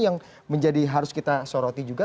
yang menjadi harus kita soroti juga